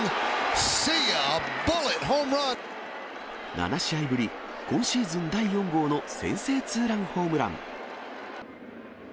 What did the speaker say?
７試合ぶり、今シーズン第４号の先制ツーランホームラン。